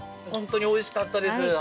本当においしかったです。